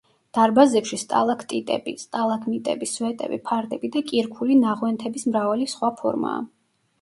დარბაზებში სტალაქტიტები, სტალაგმიტები, სვეტები, ფარდები და კირქვული ნაღვენთების მრავალი სხვა ფორმაა.